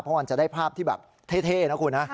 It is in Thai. เพราะมันจะได้ภาพที่แบบเท่นะคุณนะ